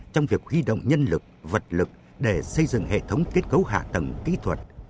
trong việc huy động nhân lực vật lực để xây dựng hệ thống kết cấu hạ tầng kỹ thuật